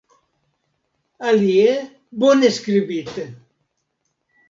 Alie, bone skribite!